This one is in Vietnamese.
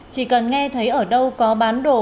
chỉ cần nghe thấy ở đâu có bán đồ